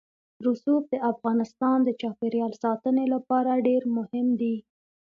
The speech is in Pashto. رسوب د افغانستان د چاپیریال ساتنې لپاره ډېر مهم دي.